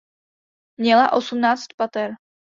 Měla osmnáct pater.